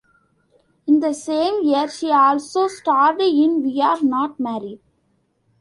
In the same year, she also starred in We're Not Married!